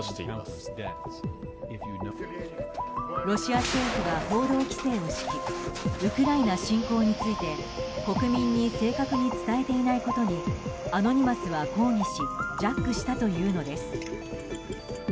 ロシア政府が報道規制を敷きウクライナ侵攻について国民に正確に伝えていないことにアノニマスは抗議しジャックしたというのです。